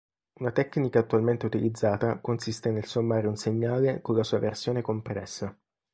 Una tecnica attualmente utilizzata consiste nel sommare un segnale con la sua versione compressa.